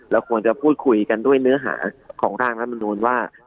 ควรจะพูดคุยกันด้วยเนื้อหาของร่างรัฐมนูลว่า